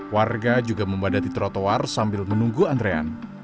warga juga membadati trotoar sambil menunggu antrean